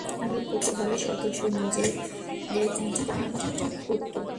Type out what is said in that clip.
আর প্রত্যেক দলের সদস্যরা নিজেদের জন্য একজন প্রধান নির্বাচন করতো।